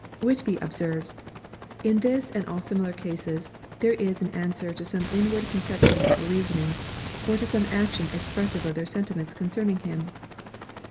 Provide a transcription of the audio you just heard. Whitby observes, " In this and all similar cases, there is an an swer, to some inward conception or reasoning ; or to some action expressive of their sentiments concerning Him."